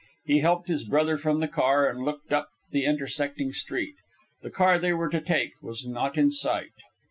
He helped his brother from the car, and looked up the intersecting street. The car they were to take was not in sight.